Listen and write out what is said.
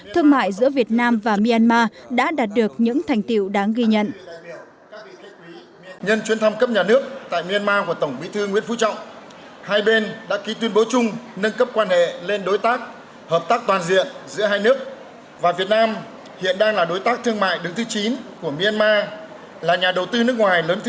thương mại giữa việt nam và myanmar đã đạt được những thành tiệu đáng ghi nhận